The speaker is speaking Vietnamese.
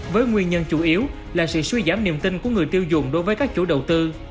với nguyên nhân chủ yếu là sự suy giảm niềm tin của người tiêu dùng đối với các chủ đầu tư